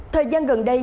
thời gian gần đây